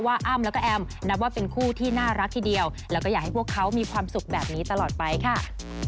อ้ำแล้วก็แอมนับว่าเป็นคู่ที่น่ารักทีเดียวแล้วก็อยากให้พวกเขามีความสุขแบบนี้ตลอดไปค่ะ